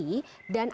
dan apakah misalnya